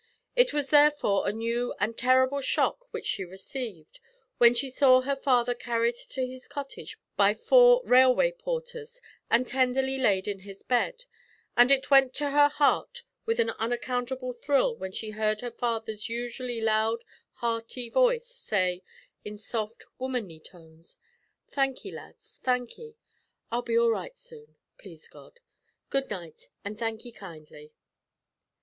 It was therefore a new and terrible shock which she received, when she saw her father carried to his cottage by four railway porters and tenderly laid in his bed; and it went to her heart with an unaccountable thrill when she heard her father's usually loud hearty voice say, in soft, womanly tones, "Thank 'ee, lads; thank 'ee. I'll be all right soon, please God. Good night and thank 'ee kindly."